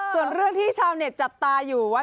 ส่วนเรื่องที่ชาวเน็ตจับตาอยู่ว่า